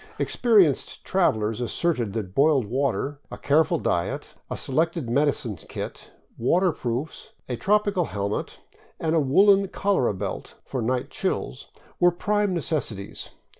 Experienced travelers asserted that boiled water, a careful diet, a selected medicine kit, waterproofs, a tropical helmet, and a woolen cholera belt for night chills were prime necessities.